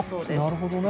なるほどね。